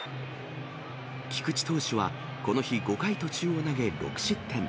菊池投手はこの日５回途中を投げ、６失点。